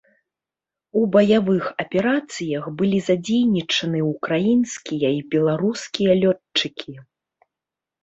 У баявых аперацыях былі задзейнічаны ўкраінскія і беларускія лётчыкі.